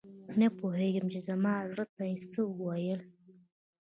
نه پوهیږم چې زما زړه ته یې څه وویل؟